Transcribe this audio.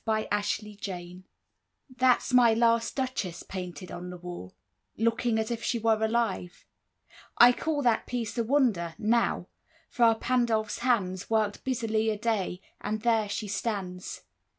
MY LAST DUCHESS Ferrara That's my last Duchess painted on the wall, Looking as if she were alive. I call That piece a wonder, now: Fra Pandolf's hands Worked busily a day, and there she stands.